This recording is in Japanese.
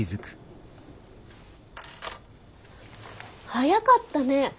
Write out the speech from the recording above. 早かったね。